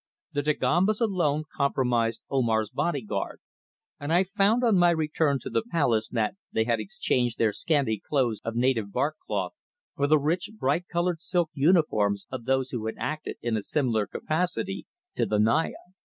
The Dagombas alone comprised Omar's body guard, and I found on my return to the palace that they had exchanged their scanty clothes of native bark cloth for the rich bright coloured silk uniforms of those who had acted in a similar capacity to the Naya.